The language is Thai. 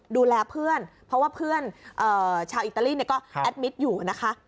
ดูแลเพื่อนเพราะว่าเพื่อนชาวอิตาลีก็แอดมิตรอยู่นะคะ